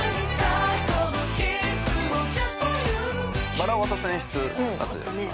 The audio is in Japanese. バラを渡す演出あったじゃないですか。